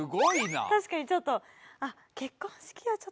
確かにちょっと。